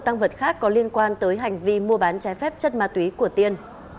tăng vật khác có liên quan tới hành vi mua bán trái phép chất ma túy của tiên